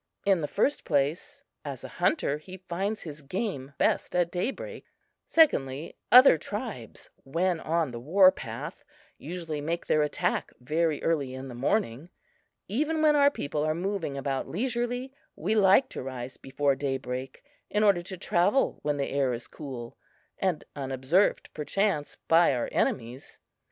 In the first place, as a hunter, he finds his game best at daybreak. Secondly, other tribes, when on the war path, usually make their attack very early in the morning. Even when our people are moving about leisurely, we like to rise before daybreak, in order to travel when the air is cool, and unobserved, perchance, by our enemies.